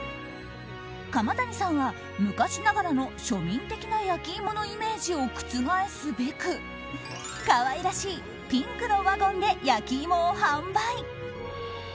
釜谷さんは昔ながらの、庶民的な焼き芋のイメージを覆すべく可愛らしいピンクのワゴンで焼き芋を販売。